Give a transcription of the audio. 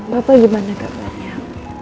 bapak gimana kak wanya